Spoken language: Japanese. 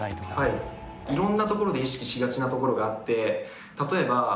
いろんなところで意識しがちなところがあって。